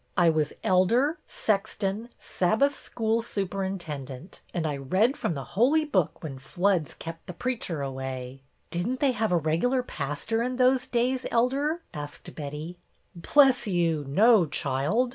I was elder, sexton, Sabbath School superintendent; and I read from the Holy Book when floods kep' the preacher away." " Did n't they have a regular pastor in those days. Elder ?" asked Betty. " Bless you, no, child.